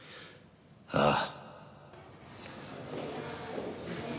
ああ。